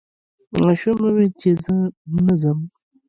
ماشوم وویل چې زه نه ځم.